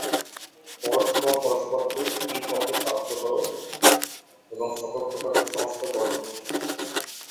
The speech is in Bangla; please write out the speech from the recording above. পরস্পর পরস্পরকে এই পথে সাহায্য কর এবং সকল প্রকার কুসংস্কার বর্জন কর।